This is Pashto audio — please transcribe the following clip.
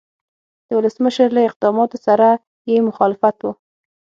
د ولسمشر له اقداماتو سره یې مخالفت و.